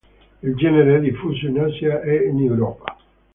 Il genere è diffuso in Asia e in Europa.